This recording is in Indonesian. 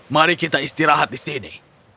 mari kita istirahat di sini